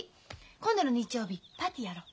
今度の日曜日パーティーやろう。